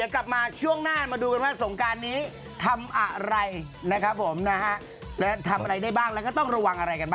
โอ้ยดำสงการมาไม่ลำสงการำสงการนั้น